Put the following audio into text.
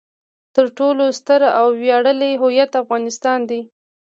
تر ټولو ستر او ویاړلی هویت افغانستان دی.